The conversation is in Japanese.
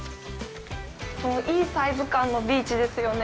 いいサイズ感のビーチですよね。